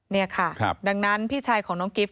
นี่ค่ะดังนั้นพี่ชายของน้องกิฟต